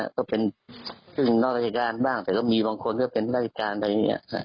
ก็เป็นร่างกายการณ์บ้างแต่ก็มีบางคนเป็นรัฐการณ์